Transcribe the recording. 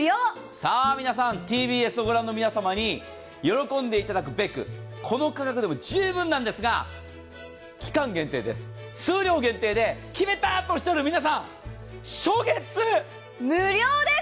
さあ、皆さん、ＴＢＳを御覧の皆様に喜んでいただくべくこの価格でも十分なんですが、期間限定、数量限定で、視聴者の皆さん初月無料です。